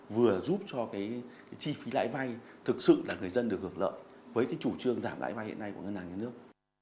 vừa giúp cho cái chi phí lãi vay thực sự là người dân được hưởng lợi với cái chủ trương giảm lãi vay hiện nay của ngân hàng nhà nước